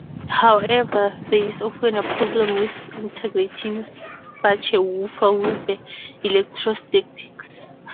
However, there is often a problem with integrating such a woofer with the electrostatics.